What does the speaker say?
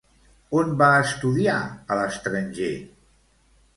On va estudiar a l'estranger?